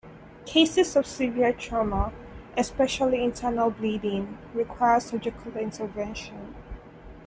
Cases of severe trauma, especially internal bleeding, require surgical intervention.